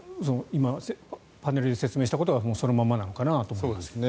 今、パネルで説明したことがそのままなのかなと。